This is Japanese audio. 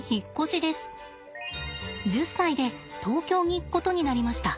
１０歳で東京に行くことになりました。